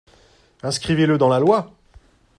Inscrivez-le dans la loi